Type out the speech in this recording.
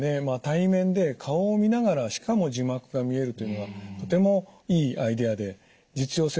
対面で顔を見ながらしかも字幕が見えるというのはとてもいいアイデアで実用性は非常に高いと思いますね。